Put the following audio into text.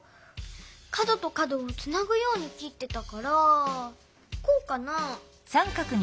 かどとかどをつなぐようにきってたからこうかな？